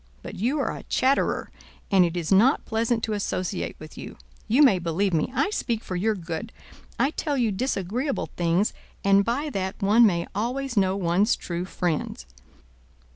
But you are a chatterer, and it is not pleasant to associate with you. You may believe me, I speak for your good. I tell you disagreeable things, and by that one may always know one's true friends!